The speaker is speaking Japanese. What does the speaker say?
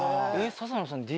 笹野さん。